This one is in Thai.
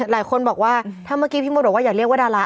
หลายคนบอกว่าถ้าเมื่อกี้พี่มดบอกว่าอย่าเรียกว่าดารา